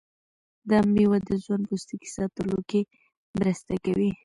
دا میوه د ځوان پوستکي ساتلو کې مرسته کوي.